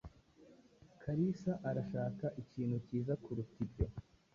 Kalisa arashaka ikintu cyiza kuruta ibyo.